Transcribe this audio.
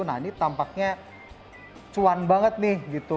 nah ini tampaknya cuan banget nih gitu